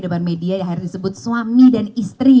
depan media akhirnya disebut suami dan istri